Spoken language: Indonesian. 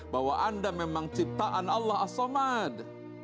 bahwa anda memang ciptaan allah asomad